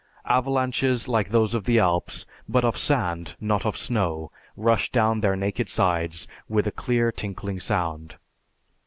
Avalanches like those of the Alps, but of sand, not of snow, rush down their naked sides with a clear tinkling sound.